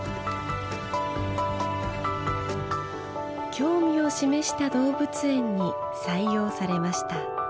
興味を示した動物園に採用されました。